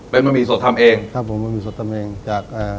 เป็นบะหมี่สดทำเองครับผมบะหมี่สดทำเองจากอ่า